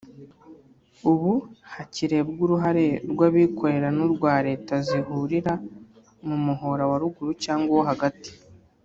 ubu hakirebwa uruhare rw’abikorera n’urwa leta zihurira mu muhora wa ruguru cyangwa uwo hagati